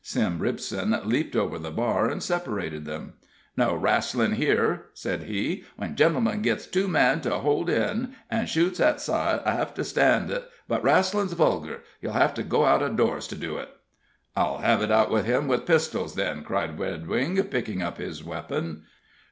Sim Ripson leaped over the bar and separated them. "No rasslin' here!" said he. "When gentlemen gits too mad to hold in, an' shoots at sight, I hev to stan' it, but rasslin's vulgar you'll hev to go out o' doors to do it." "I'll hev it out with him with pistols, then!" cried Redwing, picking up his weapon.